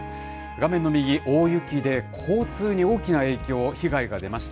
画面の右、大雪で交通に大きな影響、被害が出ました。